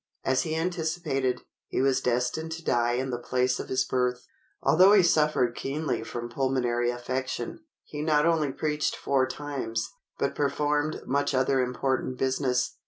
As he anticipated, he was destined to die in the place of his birth. Although he suffered keenly from pulmonary affection, he not only preached four times, but performed much other important business.